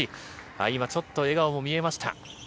今ちょっと、笑顔も見えました。